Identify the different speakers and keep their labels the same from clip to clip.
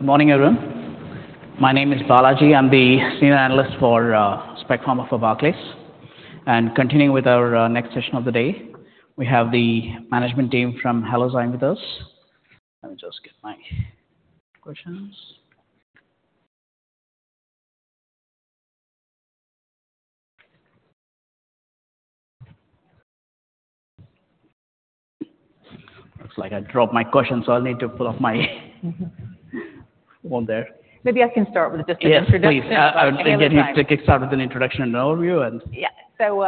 Speaker 1: Good morning, everyone. My name is Balaji. I'm the Senior Analyst for Spec Pharma for Barclays. Continuing with our next session of the day, we have the management team from Halozyme with us. Let me just get my questions. Looks like I dropped my question, so I'll need to pull up my phone there.
Speaker 2: Maybe I can start with just an introduction.
Speaker 1: Yes, please. I'll get you to kick start with an introduction and overview, and.
Speaker 2: Yeah. So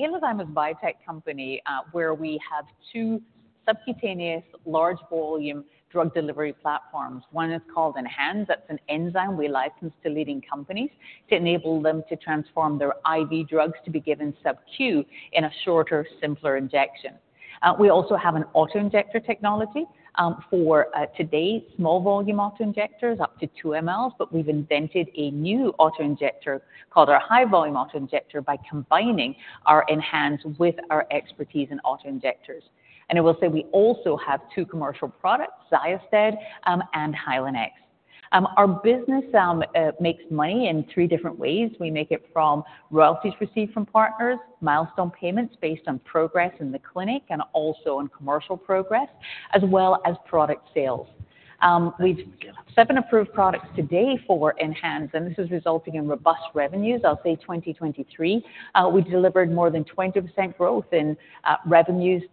Speaker 2: Halozyme is a biotech company where we have two subcutaneous large volume drug delivery platforms. One is called ENHANZE. That's an enzyme we license to leading companies to enable them to transform their IV drugs to be given subcu in a shorter, simpler injection. We also have an autoinjector technology for today's small volume autoinjectors, up to 2 mL. But we've invented a new autoinjector called our high volume autoinjector by combining our ENHANZE with our expertise in autoinjectors. And I will say we also have two commercial products, XYOSTED and Hylenex. Our business makes money in three different ways. We make it from royalties received from partners, milestone payments based on progress in the clinic and also on commercial progress, as well as product sales. We have seven approved products today for ENHANZE, and this is resulting in robust revenues. I'll say 2023, we delivered more than 20% growth in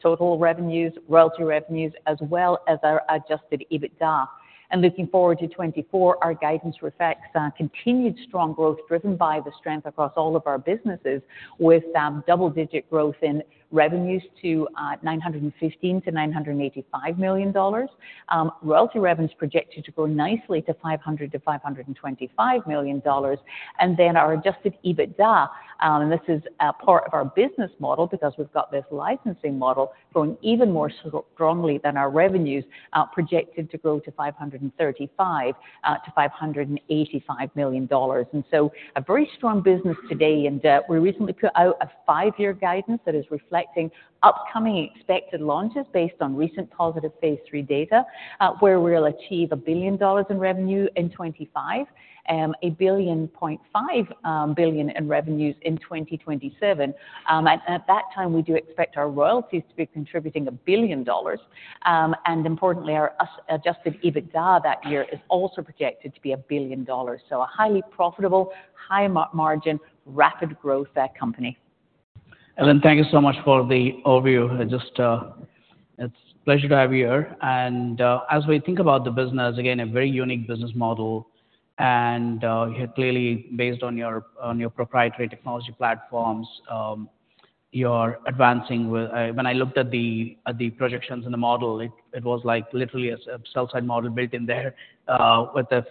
Speaker 2: total revenues, royalty revenues, as well as our Adjusted EBITDA. And looking forward to 2024, our guidance reflects continued strong growth driven by the strength across all of our businesses, with double-digit growth in revenues to $915-$985 million, royalty revenues projected to grow nicely to $500-$525 million, and then our Adjusted EBITDA, and this is part of our business model because we've got this licensing model, going even more strongly than our revenues projected to grow to $535-$585 million. And so a very strong business today. And we recently put out a five-year guidance that is reflecting upcoming expected launches based on recent positive phase 3 data, where we'll achieve $1 billion in revenue in 2025, $1.5 billion in revenues in 2027. At that time, we do expect our royalties to be contributing $1 billion. Importantly, our Adjusted EBITDA that year is also projected to be $1 billion. A highly profitable, high margin, rapid growth company.
Speaker 1: Helen, thank you so much for the overview. It's a pleasure to have you here. And as we think about the business, again, a very unique business model. And clearly, based on your proprietary technology platforms, you're advancing with—when I looked at the projections in the model, it was like literally a sell-side model built in there with a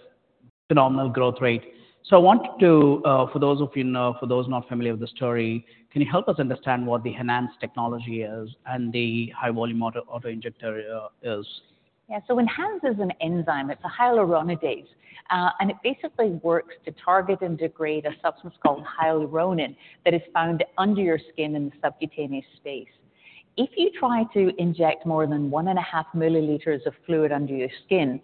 Speaker 1: phenomenal growth rate. So I wanted to, for those not familiar with the story, can you help us understand what the ENHANZE technology is and the high volume autoinjector is?
Speaker 2: Yeah. So ENHANZE is an enzyme. It's a hyaluronidase. And it basically works to target and degrade a substance called hyaluronan that is found under your skin in the subcutaneous space. If you try to inject more than 1.5 milliliters of fluid under your skin,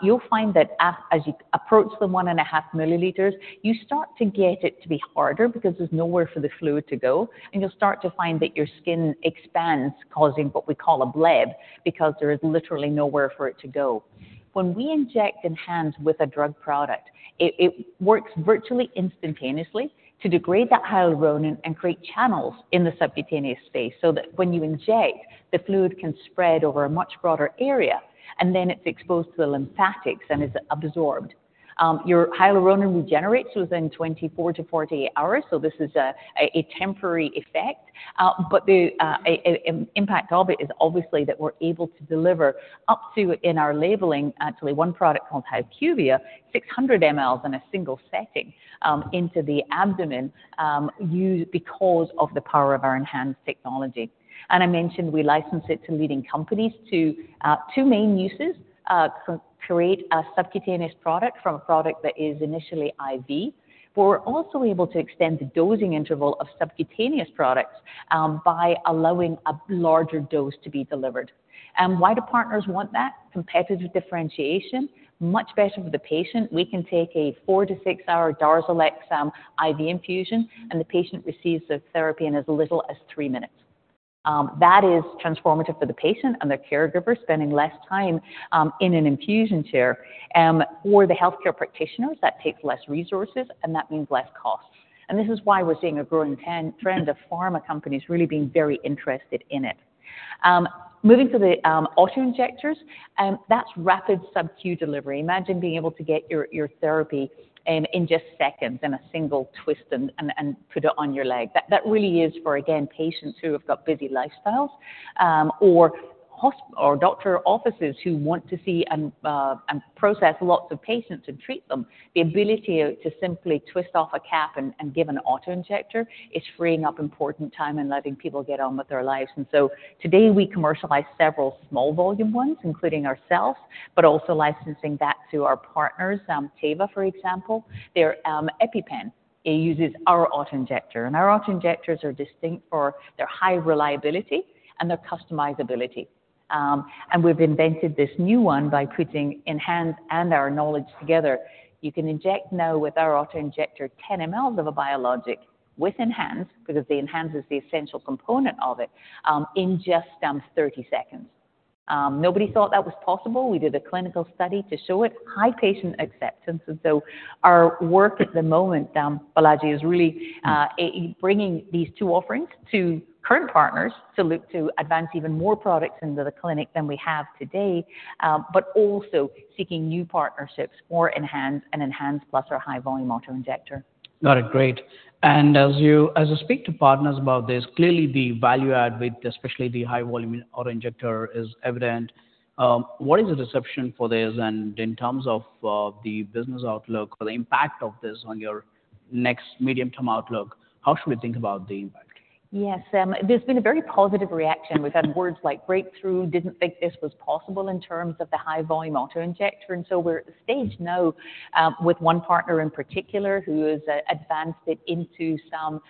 Speaker 2: you'll find that as you approach the 1.5 milliliters, you start to get it to be harder because there's nowhere for the fluid to go. And you'll start to find that your skin expands, causing what we call a bleb because there is literally nowhere for it to go. When we inject ENHANZE with a drug product, it works virtually instantaneously to degrade that hyaluronan and create channels in the subcutaneous space so that when you inject, the fluid can spread over a much broader area, and then it's exposed to the lymphatics and is absorbed. Your hyaluronan regenerates within 24 to 48 hours. So this is a temporary effect. But the impact of it is obviously that we're able to deliver up to, in our labeling, actually, one product called HYQVIA, 600 mL in a single setting into the abdomen because of the power of our ENHANZE technology. And I mentioned we license it to leading companies to two main uses: create a subcutaneous product from a product that is initially IV, but we're also able to extend the dosing interval of subcutaneous products by allowing a larger dose to be delivered. And why do partners want that? Competitive differentiation, much better for the patient. We can take a four-six-hour DARZALEX IV infusion, and the patient receives the therapy in as little as three minutes. That is transformative for the patient and their caregiver, spending less time in an infusion chair. For the health care practitioners, that takes less resources, and that means less costs. This is why we're seeing a growing trend of pharma companies really being very interested in it. Moving to the autoinjectors, that's rapid subcu delivery. Imagine being able to get your therapy in just seconds in a single twist and put it on your leg. That really is for, again, patients who have got busy lifestyles or doctor offices who want to see and process lots of patients and treat them. The ability to simply twist off a cap and give an autoinjector is freeing up important time and letting people get on with their lives. And so today, we commercialize several small volume ones, including ourselves, but also licensing that to our partners. Teva, for example, their EpiPen uses our autoinjector. Our autoinjectors are distinct for their high reliability and their customizability. We've invented this new one by putting ENHANZE and our knowledge together. You can inject now with our autoinjector 10 mL of a biologic with ENHANZE because the ENHANZE is the essential component of it in just 30 seconds. Nobody thought that was possible. We did a clinical study to show it, high patient acceptance. So our work at the moment, Balaji, is really bringing these two offerings to current partners to advance even more products into the clinic than we have today, but also seeking new partnerships for ENHANZE and ENHANZE plus our high volume autoinjector.
Speaker 1: Got it. Great. And as I speak to partners about this, clearly, the value add with especially the high volume autoinjector is evident. What is the reception for this? And in terms of the business outlook or the impact of this on your next medium-term outlook, how should we think about the impact?
Speaker 2: Yes. There's been a very positive reaction. We've had words like "breakthrough," "didn't think this was possible" in terms of the high volume autoinjector. And so we're at the stage now with one partner in particular who has advanced it into some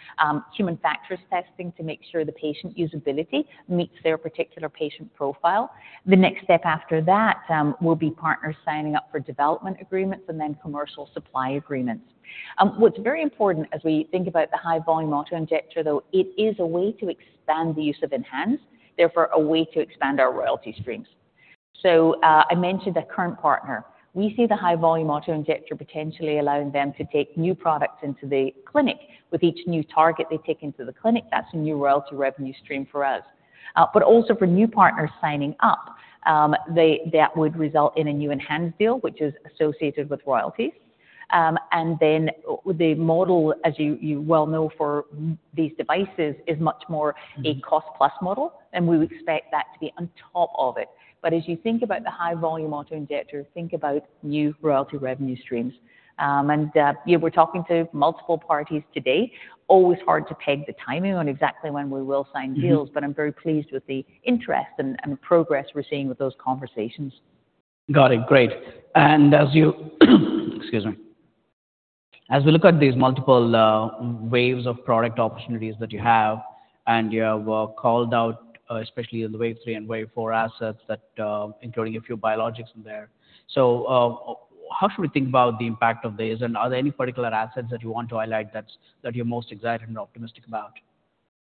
Speaker 2: human factors testing to make sure the patient usability meets their particular patient profile. The next step after that will be partners signing up for development agreements and then commercial supply agreements. What's very important as we think about the high volume autoinjector, though, it is a way to expand the use of ENHANZE, therefore a way to expand our royalty streams. So I mentioned a current partner. We see the high volume autoinjector potentially allowing them to take new products into the clinic. With each new target they take into the clinic, that's a new royalty revenue stream for us. But also for new partners signing up, that would result in a new ENHANZE deal, which is associated with royalties. And then the model, as you well know for these devices, is much more a cost-plus model. And we expect that to be on top of it. But as you think about the high volume autoinjector, think about new royalty revenue streams. And we're talking to multiple parties today. Always hard to peg the timing on exactly when we will sign deals, but I'm very pleased with the interest and progress we're seeing with those conversations.
Speaker 1: Got it. Great. And as you excuse me. As we look at these multiple waves of product opportunities that you have and your callout, especially in the wave three and wave four assets, including a few biologics in there, so how should we think about the impact of this? And are there any particular assets that you want to highlight that you're most excited and optimistic about?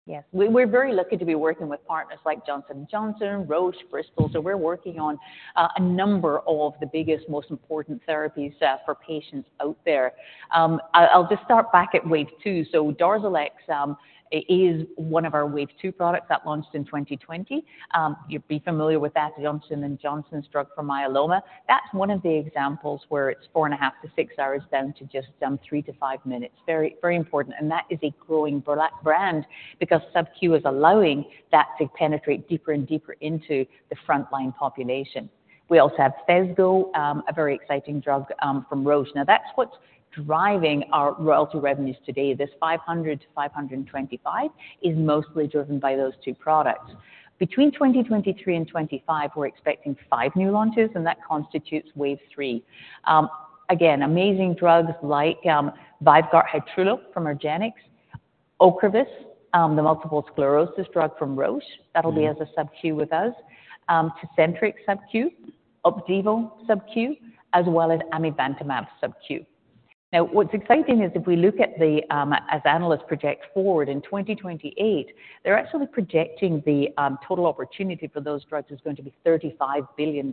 Speaker 2: Yes. We're very lucky to be working with partners like Johnson & Johnson, Roche, Bristol. So we're working on a number of the biggest, most important therapies for patients out there. I'll just start back at wave two. So DARZALEX is one of our wave two products that launched in 2020. You'll be familiar with that, Johnson & Johnson's drug for myeloma. That's one of the examples where it's 4.5-6 hours down to just three-five minutes. Very, very important. And that is a growing brand because subcu is allowing that to penetrate deeper and deeper into the frontline population. We also have Phesgo, a very exciting drug from Roche. Now, that's what's driving our royalty revenues today. This $500-$525 is mostly driven by those two products. Between 2023 and 2025, we're expecting five new launches, and that constitutes wave three. Again, amazing drugs like Vyvgart Hytrulo from Argenx, Ocrevus, the multiple sclerosis drug from Roche. That'll be as a subcu with us, Tecentriq subcu, Opdivo subcu, as well as amivantamab subcu. Now, what's exciting is if we look at what analysts project forward in 2028, they're actually projecting the total opportunity for those drugs is going to be $35 billion.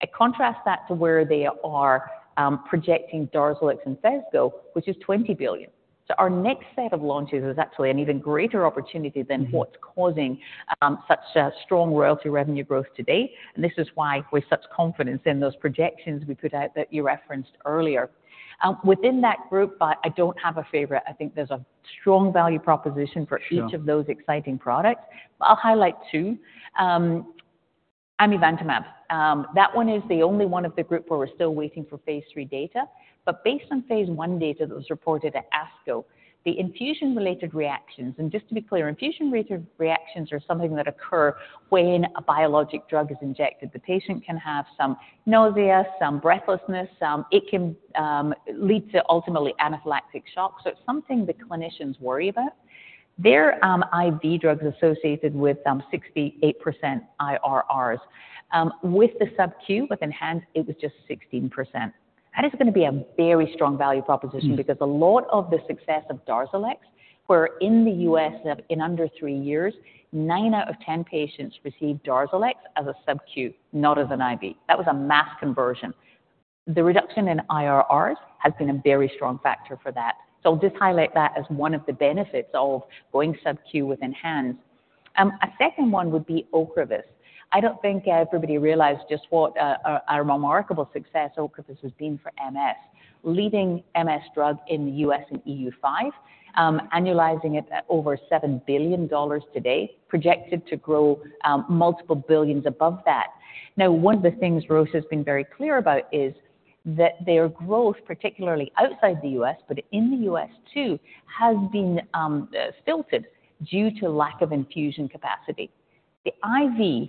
Speaker 2: I contrast that to where they are projecting DARZALEX and Phesgo, which is $20 billion. So our next set of launches is actually an even greater opportunity than what's causing such strong royalty revenue growth today. And this is why with such confidence in those projections we put out that you referenced earlier. Within that group, but I don't have a favorite. I think there's a strong value proposition for each of those exciting products. But I'll highlight two. amivantamab. That one is the only one of the group where we're still waiting for phase III data. But based on phase I data that was reported at ASCO, the infusion-related reactions and just to be clear, infusion-related reactions are something that occur when a biologic drug is injected. The patient can have some nausea, some breathlessness. It can lead to ultimately anaphylactic shock. So it's something the clinicians worry about. There are IV drugs associated with 68% IRRs. With the subcu, with ENHANZE, it was just 16%. That is going to be a very strong value proposition because a lot of the success of DARZALEX, where in the U.S., in under three years, nine out of 10 patients received DARZALEX as a subcu, not as an IV. That was a mass conversion. The reduction in IRRs has been a very strong factor for that. So I'll just highlight that as one of the benefits of going subcu with ENHANZE. A second one would be Ocrevus. I don't think everybody realizes just what a remarkable success Ocrevus has been for MS, leading MS drug in the U.S. and EU5, annualizing it over $7 billion today, projected to grow multiple billions above that. Now, one of the things Roche has been very clear about is that their growth, particularly outside the U.S., but in the U.S. too, has been stilted due to lack of infusion capacity. The IV,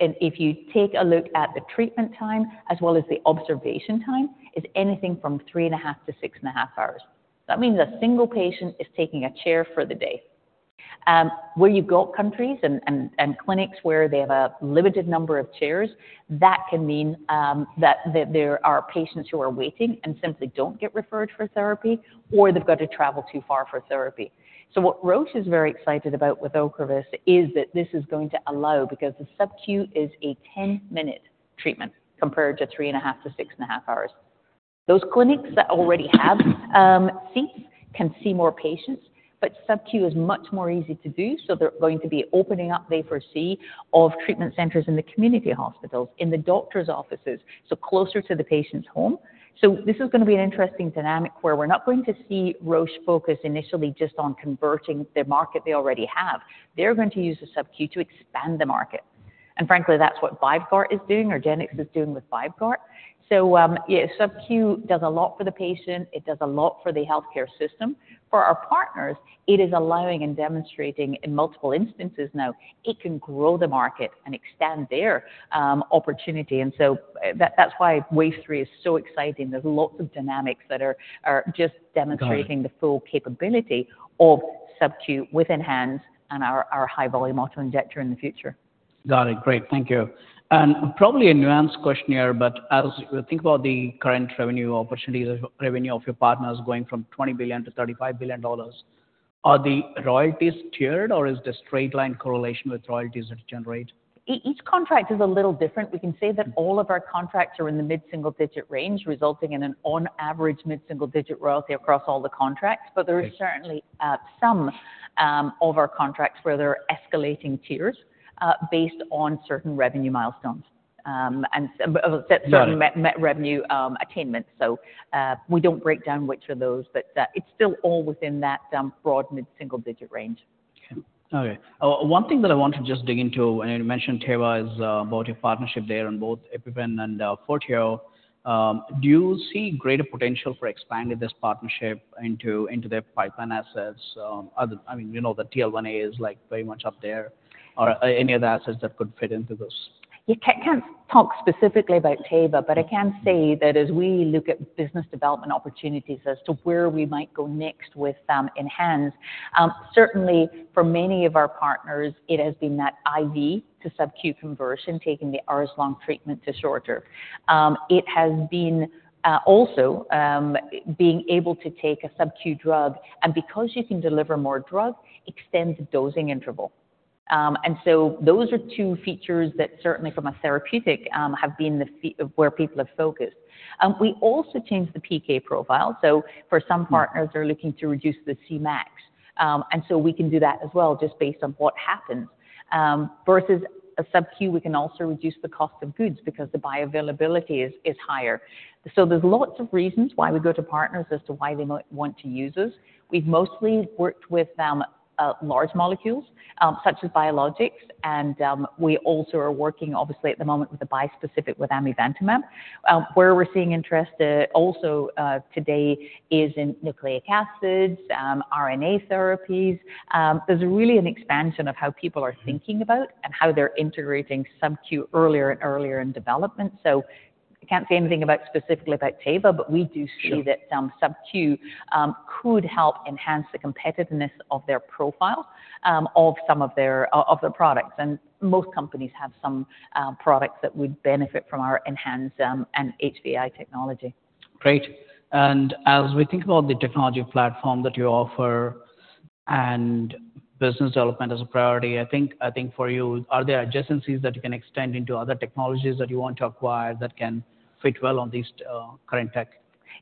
Speaker 2: if you take a look at the treatment time as well as the observation time, is anything from 3.5-6.5 hours. That means a single patient is taking a chair for the day. Where you've got countries and clinics where they have a limited number of chairs, that can mean that there are patients who are waiting and simply don't get referred for therapy, or they've got to travel too far for therapy. So what Roche is very excited about with Ocrevus is that this is going to allow, because the subcu is a 10-minute treatment compared to 3.5-6.5 hours. Those clinics that already have seats can see more patients. But subcu is much more easy to do. So they're going to be opening up, they foresee, of treatment centers in the community hospitals, in the doctor's offices, so closer to the patient's home. So this is going to be an interesting dynamic where we're not going to see Roche focus initially just on converting the market they already have. They're going to use the subcu to expand the market. And frankly, that's what Vyvgart is doing, Argenx is doing with Vyvgart. So subcu does a lot for the patient. It does a lot for the health care system. For our partners, it is allowing and demonstrating in multiple instances now, it can grow the market and extend their opportunity. And so that's why wave three is so exciting. There's lots of dynamics that are just demonstrating the full capability of subcu with ENHANZE and our high volume autoinjector in the future.
Speaker 1: Got it. Great. Thank you. And probably a nuanced question here, but as you think about the current revenue opportunities, revenue of your partners going from $20 billion-$35 billion, are the royalties tiered, or is there a straight-line correlation with royalties that generate?
Speaker 2: Each contract is a little different. We can say that all of our contracts are in the mid-single digit range, resulting in an on average mid-single digit royalty across all the contracts. But there is certainly some of our contracts where they're escalating tiers based on certain revenue milestones and certain revenue attainments. So we don't break down which are those, but it's still all within that broad mid-single digit range.
Speaker 1: Okay. Okay. One thing that I want to just dig into, and you mentioned Teva is about your partnership there on both EpiPen and Forteo. Do you see greater potential for expanding this partnership into their pipeline assets? I mean, we know that TL1A is very much up there. Are there any other assets that could fit into this?
Speaker 2: Yeah. I can't talk specifically about Teva, but I can say that as we look at business development opportunities as to where we might go next with ENHANZE, certainly for many of our partners, it has been that IV to subcu conversion, taking the hours-long treatment to shorter. It has been also being able to take a subcu drug, and because you can deliver more drug, extend the dosing interval. And so those are two features that certainly from a therapeutic have been where people have focused. We also changed the PK profile. So for some partners, they're looking to reduce the Cmax. And so we can do that as well just based on what happens. Versus a subcu, we can also reduce the cost of goods because the bioavailability is higher. So there's lots of reasons why we go to partners as to why they might want to use us. We've mostly worked with large molecules such as biologics. And we also are working, obviously, at the moment with a bispecific with amivantamab. Where we're seeing interest also today is in nucleic acids, RNA therapies. There's really an expansion of how people are thinking about and how they're integrating subcu earlier and earlier in development. So I can't say anything specifically about Teva, but we do see that subcu could help enhance the competitiveness of their profile of some of their products. And most companies have some products that would benefit from our ENHANZE and rHuPH20 technology.
Speaker 1: Great. As we think about the technology platform that you offer and business development as a priority, I think for you, are there adjacencies that you can extend into other technologies that you want to acquire that can fit well on this current tech?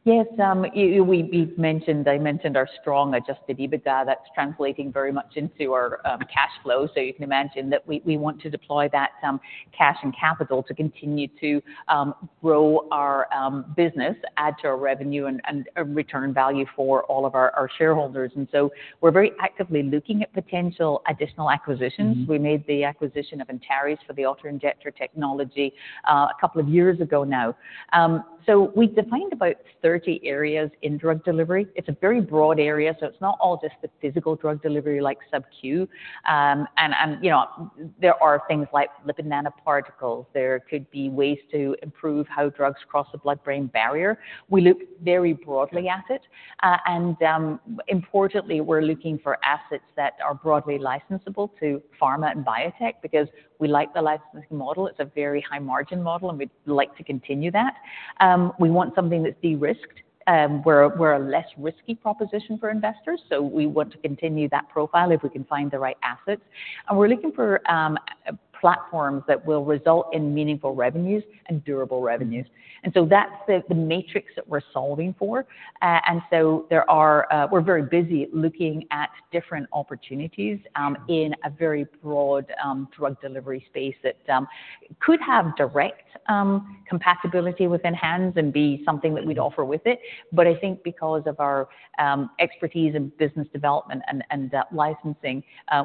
Speaker 2: Yes. They mentioned our strong Adjusted EBITDA. That's translating very much into our cash flow. So you can imagine that we want to deploy that cash and capital to continue to grow our business, add to our revenue, and return value for all of our shareholders. And so we're very actively looking at potential additional acquisitions. We made the acquisition of Antares for the autoinjector technology a couple of years ago now. So we've defined about 30 areas in drug delivery. It's a very broad area. So it's not all just the physical drug delivery like subcu. And there are things like lipid nanoparticles. There could be ways to improve how drugs cross the blood-brain barrier. We look very broadly at it. And importantly, we're looking for assets that are broadly licensable to pharma and biotech because we like the licensing model. It's a very high-margin model, and we'd like to continue that. We want something that's de-risked. We're a less risky proposition for investors. So we want to continue that profile if we can find the right assets. And we're looking for platforms that will result in meaningful revenues and durable revenues. And so that's the matrix that we're solving for. And so we're very busy looking at different opportunities in a very broad drug delivery space that could have direct compatibility with ENHANZE and be something that we'd offer with it. But I think because of our expertise in business development and licensing,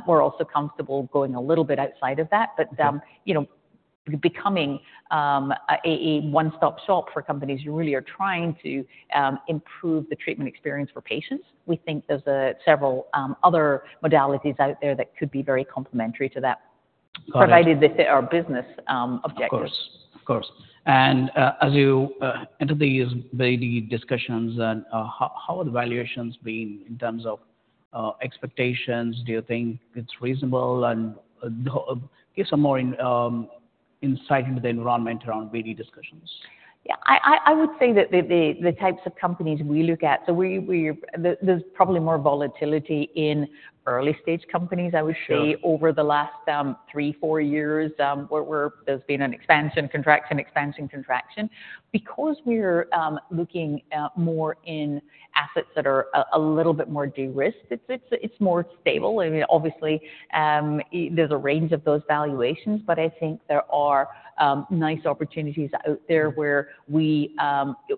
Speaker 2: we're also comfortable going a little bit outside of that. But becoming a one-stop shop for companies who really are trying to improve the treatment experience for patients, we think there's several other modalities out there that could be very complementary to that, provided they fit our business objectives.
Speaker 1: Of course. Of course. And as you enter these BD discussions, how are the valuations being in terms of expectations? Do you think it's reasonable? And give some more insight into the environment around BD discussions.
Speaker 2: Yeah. I would say that the types of companies we look at, so there's probably more volatility in early-stage companies, I would say, over the last three, four years. There's been an expansion, contraction, expansion, contraction. Because we're looking more in assets that are a little bit more de-risked, it's more stable. I mean, obviously, there's a range of those valuations. But I think there are nice opportunities out there where we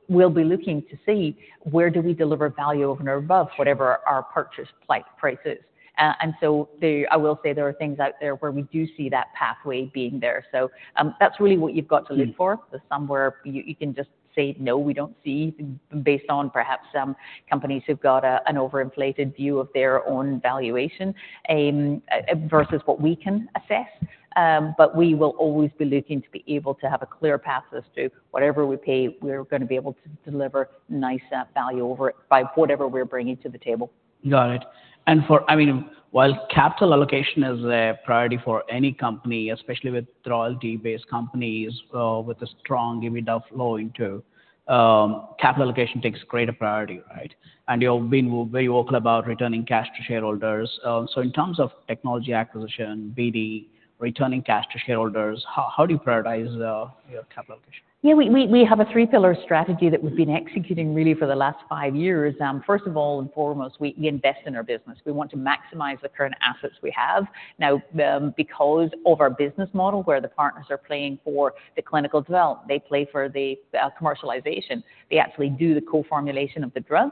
Speaker 2: will be looking to see where do we deliver value over and above whatever our purchase price is. And so I will say there are things out there where we do see that pathway being there. So that's really what you've got to look for. There's somewhere you can just say, "No, we don't see," based on perhaps companies who've got an overinflated view of their own valuation versus what we can assess. We will always be looking to be able to have a clear path as to whatever we pay, we're going to be able to deliver nice value by whatever we're bringing to the table.
Speaker 1: Got it. I mean, while capital allocation is a priority for any company, especially with royalty-based companies with a strong EBITDA flow into, capital allocation takes greater priority, right? You've been very vocal about returning cash to shareholders. In terms of technology acquisition, BD, returning cash to shareholders, how do you prioritize your capital allocation?
Speaker 2: Yeah. We have a three-pillar strategy that we've been executing really for the last five years. First of all and foremost, we invest in our business. We want to maximize the current assets we have. Now, because of our business model where the partners are playing for the clinical development, they play for the commercialization. They actually do the co-formulation of the drug.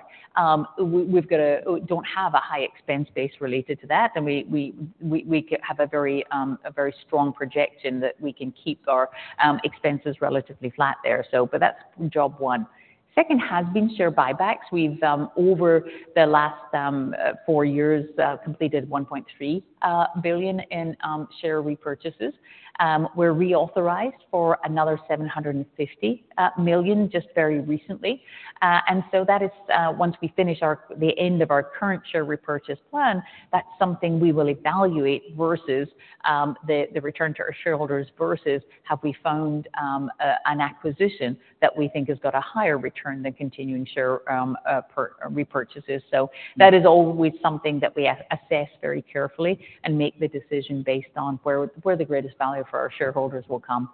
Speaker 2: We don't have a high expense base related to that. And we have a very strong projection that we can keep our expenses relatively flat there. But that's job one. Second has been share buybacks. We've, over the last four years, completed $1.3 billion in share repurchases. We're reauthorized for another $750 million just very recently. And so once we finish the end of our current share repurchase plan, that's something we will evaluate versus the return to our shareholders versus have we found an acquisition that we think has got a higher return than continuing share repurchases. So that is always something that we assess very carefully and make the decision based on where the greatest value for our shareholders will come.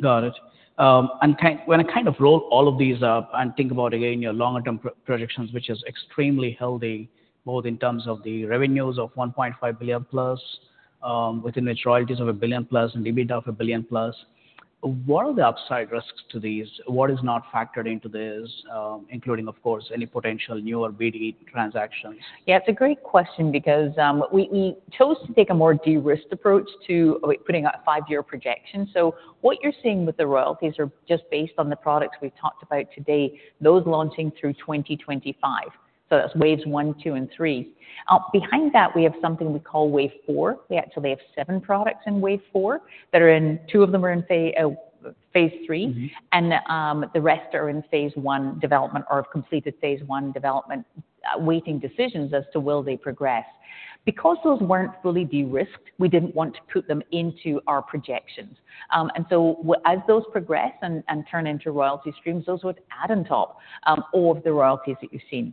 Speaker 1: Got it. And when I kind of roll all of these up and think about, again, your longer-term projections, which is extremely healthy both in terms of the revenues of $1.5 billion plus, within which royalties of $1 billion plus and EBITDA of $1 billion plus, what are the upside risks to these? What is not factored into this, including, of course, any potential newer BD transactions?
Speaker 2: Yeah. It's a great question because we chose to take a more de-risked approach to putting a five-year projection. So what you're seeing with the royalties are just based on the products we've talked about today, those launching through 2025. So that's waves one, two, and three. Behind that, we have something we call wave four. We actually have seven products in wave four that are in two of them are in phase III. And the rest are in phase I development or have completed phase I development, waiting decisions as to will they progress. Because those weren't fully de-risked, we didn't want to put them into our projections. And so as those progress and turn into royalty streams, those would add on top of the royalties that you've seen.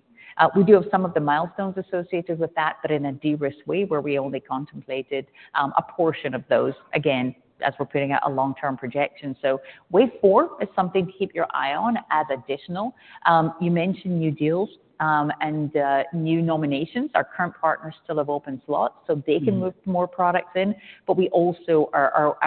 Speaker 2: We do have some of the milestones associated with that, but in a de-risked way where we only contemplated a portion of those, again, as we're putting out a long-term projection. So wave four is something to keep your eye on as additional. You mentioned new deals and new nominations. Our current partners still have open slots, so they can move more products in. But we also are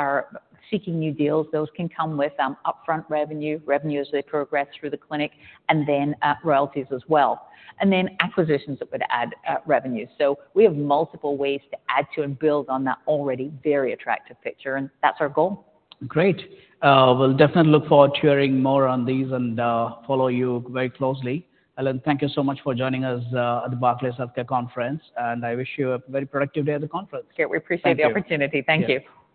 Speaker 2: seeking new deals. Those can come with upfront revenue, revenue as they progress through the clinic, and then royalties as well, and then acquisitions that would add revenue. So we have multiple ways to add to and build on that already very attractive picture. And that's our goal.
Speaker 1: Great. We'll definitely look forward to hearing more on these and follow you very closely. Helen, thank you so much for joining us at the Barclays Healthcare Conference. I wish you a very productive day at the conference.
Speaker 2: Great. We appreciate the opportunity. Thank you.